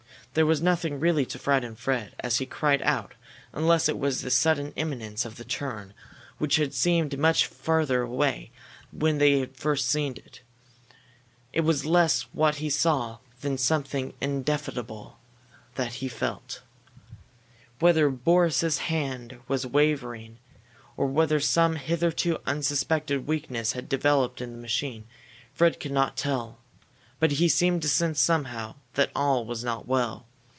There was nothing really to frighten Fred as he cried out unless it was the sudden imminence of the turn, which had seemed much further away when they had first seen it. It was less what he saw than some indefinable thing he felt. Whether Boris's hand was wavering or whether some hitherto unsuspected weakness had developed in the machine, Fred could not tell. But he seemed to sense somehow that all was not well.